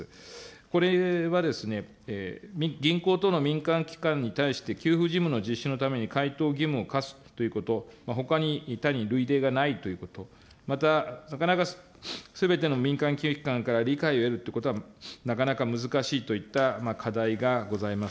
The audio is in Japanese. これはですね、銀行等の民間機関に対して、給付義務の実施のために、回答義務を課すということ、ほかに類例がないということ、また、なかなかすべての民間金融機関から理解を得るということはなかなか難しいといった課題がございます。